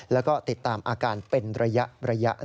แล้วก็ติดตามอาการเป็นระยะ